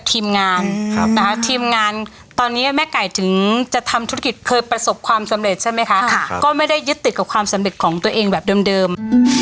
ทีมงานนะคะทีมงานตอนนี้แม่ไก่ถึงจะทำธุรกิจเคยประสบความสำเร็จใช่ไหมคะก็ไม่ได้ยึดติดกับความสำเร็จของตัวเองแบบเดิม